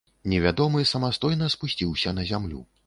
Невядомы самастойна спусціўся на зямлю.